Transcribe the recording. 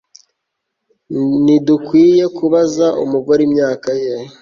Ntidukwiye kubaza umugore imyaka ye